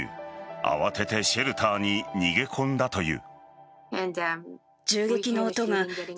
慌ててシェルターに逃げ込んだという。